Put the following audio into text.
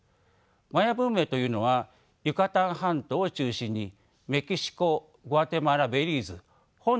マヤ文明というのはユカタン半島を中心にメキシコグアテマラベリーズホンジュラスで栄えました。